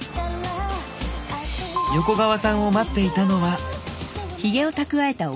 横川さんを待っていたのは。